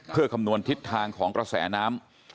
เพื่อคำนวณทิศทางของกระแสน้ำ